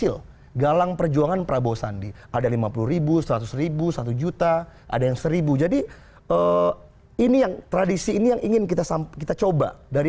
tapi perseorangan yang batasannya dua lima miliar